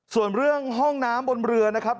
ส่วนเรื่องห้องน้ำบนเรือนะครับ